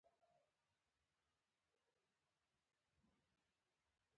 هلته د فرد ټاکنه رول نه لري.